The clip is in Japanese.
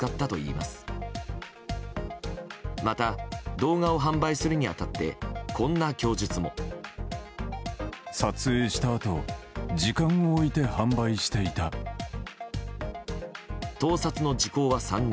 また、動画を販売するに当たってこんな供述も。盗撮の時効は３年。